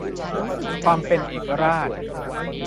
ความเป็นเอกราช